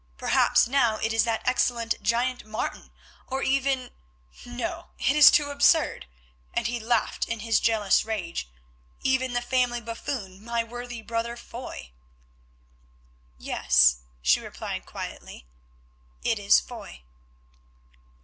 Perhaps now it is that excellent giant, Martin, or even—no, it is too absurd"—and he laughed in his jealous rage, "even the family buffoon, my worthy brother Foy." "Yes," she replied quietly, "it is Foy."